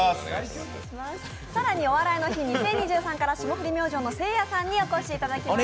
更に「お笑いの日２０２３」から霜降り明星のせいやさんにお越しいただいています。